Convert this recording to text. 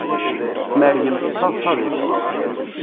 Meryem tettaḍsa deg-s.